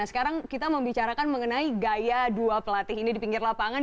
sekarang kita membicarakan mengenai gaya dua pelatih ini di pinggir lapangan